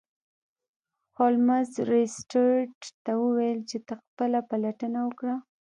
هولمز لیسټرډ ته وویل چې ته خپله پلټنه وکړه.